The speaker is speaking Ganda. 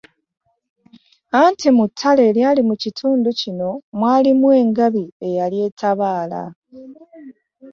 Anti mu ttale eryali mu kitundu kino mwalimu engabi eyali etabaala.